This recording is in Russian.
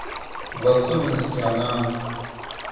В особенности она...